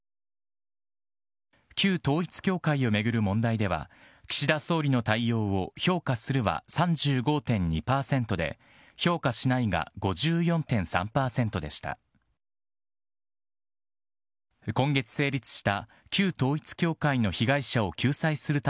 旧統一教会を巡る問題では、岸田総理の対応を評価するは３５．２％で、評価しないが５４．３％でした。